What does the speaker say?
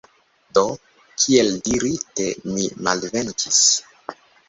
Do, kiel dirite, mi malvenkis.